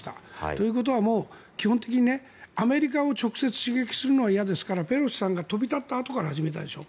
ということはもう基本的にはアメリカを直接刺激するのは嫌ですからペロシさんが飛び立ったあとから始めたでしょ。